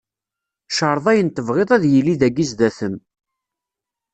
Creḍ ayen tebɣiḍ ad d-yili dagi zdat-m.